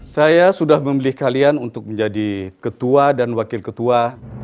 saya sudah memilih kalian untuk menjadi ketua dan wakil ketua